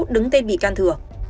đứng tên bị can thừa